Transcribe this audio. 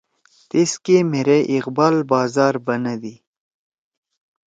تیسکے مھیرے اقبال بازار بنَدی